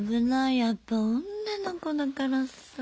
やっぱ女の子だからさ。